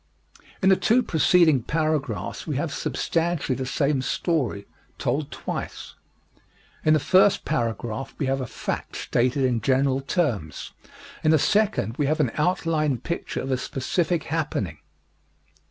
In the two preceding paragraphs we have substantially the same story, told twice. In the first paragraph we have a fact stated in general terms. In the second, we have an outline picture of a specific happening.